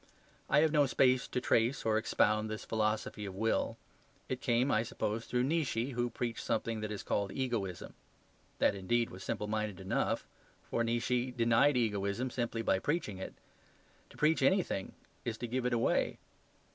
I have no space to trace or expound this philosophy of Will. It came, I suppose, through Nietzsche, who preached something that is called egoism. That, indeed, was simpleminded enough; for Nietzsche denied egoism simply by preaching it. To preach anything is to give it away.